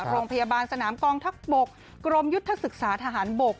โรงพยาบาลสนามกองทัพบกกรมยุทธศึกษาทหารบก